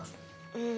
うん。